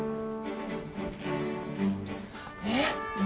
えっ？